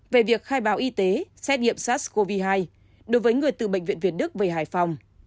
về việc khai báo y tế xét nghiệm sars cov hai đối với người từ bệnh viện việt đức về hải phòng